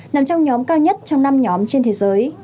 nằm trong nhóm cao nhất trong năm nhóm trên thế giới